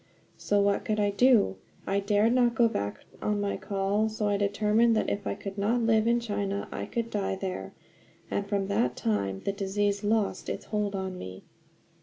So what could I do? I dared not go back on my call; so I determined that if I could not live in China I could die there; and from that time the disease lost its hold on me."